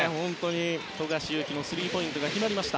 富樫勇樹のスリーポイントが決まりました。